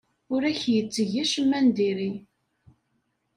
Ur ak-yetteg acemma n diri.